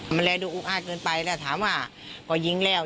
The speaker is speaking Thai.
มันเลยดูอุอาจเกินไปแล้วถามว่าพอยิงแล้ว